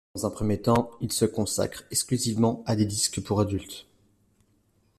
Dans un premier temps, il se consacre exclusivement à des disques pour adultes.